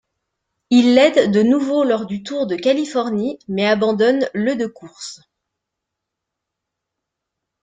Il l'aide de nouveau lors du Tour de Californie mais abandonne le de course.